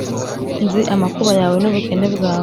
‘Nzi amakuba yawe n’ubukene bwawe,